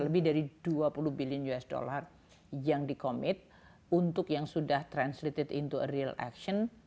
lebih dari dua puluh billion usd yang di commit untuk yang sudah translated in the real action